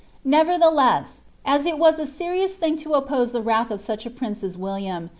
Nevertheless, u it was a serious thing lo oppose the wrath of such a prince as Willmm.